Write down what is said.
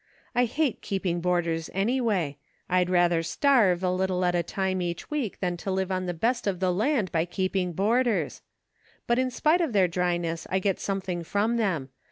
I hate keeping board " ers anyway ; I'd rather starve a little at a time each week than to live on the best of the land by keep ing boarders ; but in spite of their dryness I get something from them.